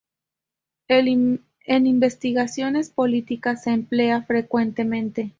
En investigaciones policíacas se emplea frecuentemente.